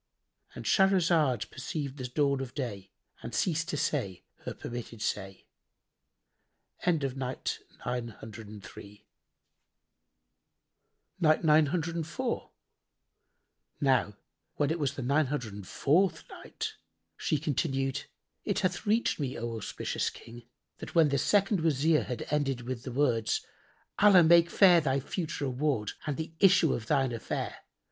"—And Shahrazad perceived the dawn of day and ceased to say her permitted say. When it was the Nine Hundred and Fourth Night, She continued: It hath reached me, O auspicious King, that when the second Wazir had ended with the words, "Allah make fair thy future reward and the issue of thine affair!"